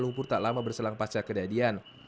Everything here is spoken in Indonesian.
lumpur tak lama berselang pasca kejadian